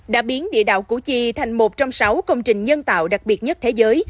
đã biến địa đạo củ chi thành một trong sáu công trình nhân tạo đặc biệt nhất thế giới